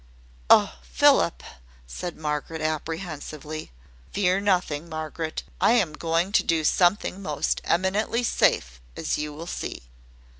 "Oh, Philip!" said Margaret, apprehensively. "Fear nothing, Margaret. I am going to do something most eminently safe, as you will see."